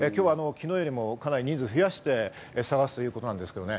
今日は昨日よりかなり人数を増やして捜すということですけどね。